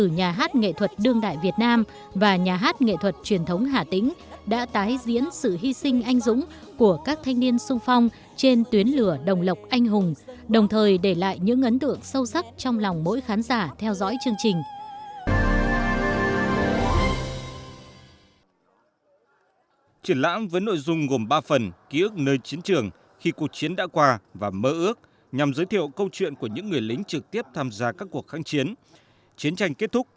nhà hát nghệ thuật đương đại việt nam và nhà hát nghệ thuật truyền thống hà tĩnh đã tái diễn sự hy sinh anh dũng của các thanh niên sung phong trên tuyến lửa đồng lộc anh hùng đồng thời để lại những ấn tượng sâu sắc trong lòng mỗi khán giả theo dõi chương trình